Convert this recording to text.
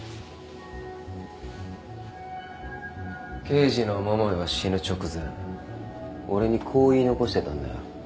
刑事の桃井は死ぬ直前俺にこう言い残してたんだ。